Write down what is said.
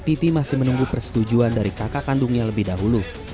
titi masih menunggu persetujuan dari kakak kandungnya lebih dahulu